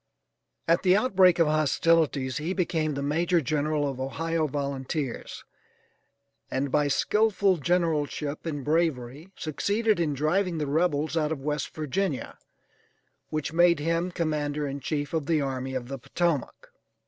At the outbreak of hostilities he became the major general of Ohio volunteers, and by skillful generalship and bravery, succeeded in driving the rebels out of West Virginia, which made him commander in chief of the Army of the Potomac.